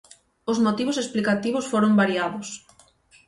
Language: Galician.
Os motivos explicativos foron variados.